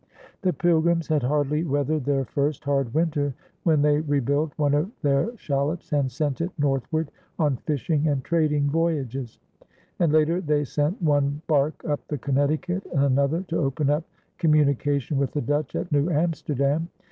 The Pilgrims had hardly weathered their first hard winter when they rebuilt one of their shallops and sent it northward on fishing and trading voyages; and later they sent one bark up the Connecticut and another to open up communication with the Dutch at New Amsterdam.